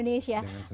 dengan senang hati